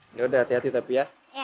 ini udah hati hati tapi ya